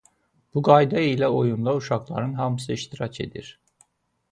Bu qayda ilə oyunda uşaqların hamısı iştirak edir.